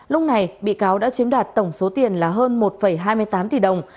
lúc này bị cáo đã chiếm đoạt tổng số tiền là hơn một hai mươi tám tỷ đồng